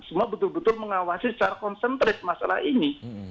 semua betul betul mengawasi secara konsentrit masalah ini